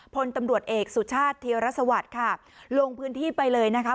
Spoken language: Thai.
พลตำรวจเอกสุชาติเทียรสวัสดิ์ค่ะลงพื้นที่ไปเลยนะคะ